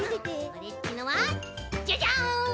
オレっちのはジャジャン！